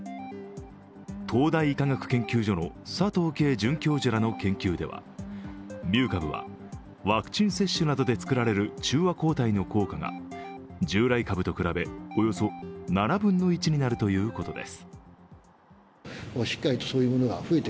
東大医科学研究所の佐藤佳准教授らの研究ではミュー株はワクチン接種などで作られる中和抗体の効果が従来株と比べおよそ７分の１になるということです。